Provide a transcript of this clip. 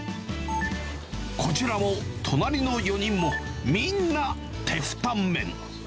こちらも隣の４人も、みんなテフタンメン。